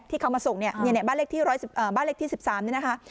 ที่เขามาส่งเนี่ยบ้านเลขที่๑๓เนี่ยนะคะ